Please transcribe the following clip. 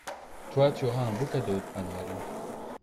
Toi, tu auras un beau cadeau à Noël.